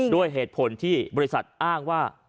ด้วยเหตุผลที่บริษัทอ้างว่า